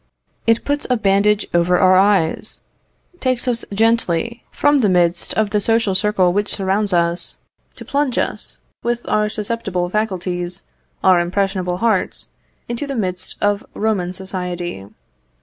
It puts a bandage over our eyes, takes us gently from the midst of the social circle which surrounds us, to plunge us, with our susceptible faculties, our impressible hearts, into the midst of Roman society.